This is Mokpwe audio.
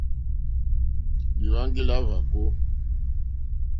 Lìhwáŋɡí lá hwàkó.